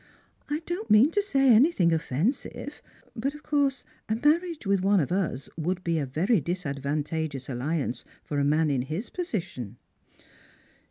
I don't mean to say anything ofi'ensive, but of course a marriage with one of us would be a very disadvantageous alliance for a man in his position."